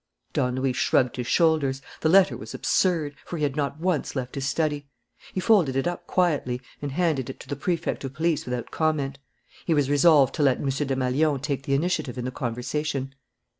Don Luis shrugged his shoulders. The letter was absurd; for he had not once left his study. He folded it up quietly and handed it to the Prefect of Police without comment. He was resolved to let M. Desmalions take the initiative in the conversation.